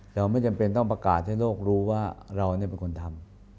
เราไม่จำเป็นต้องประกาศให้โลกรู้ว่าเราเป็นคนทำ